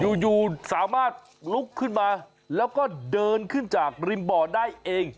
อยู่สามารถลุกขึ้นมาแล้วก็เดินขึ้นจากริมบ่อได้เอง